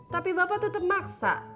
tapi bapak tetap maksa